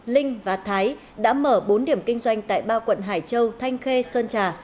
linh và thái đã mở bốn điểm kinh doanh tại ba quận hải châu thanh khê sơn trà